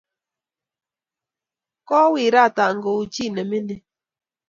Kowirata kou chii ne mining